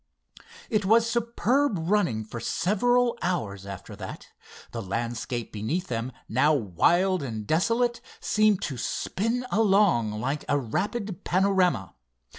It was superb running for several hours after that. The landscape beneath them, now wild and desolate, seemed to spin along like a rapid panorama.